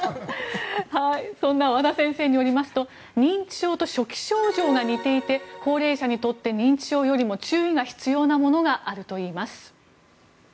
和田先生によりますと認知症と初期症状が似ていて高齢者にとって認知症よりも注意が必要なものがあるといいます。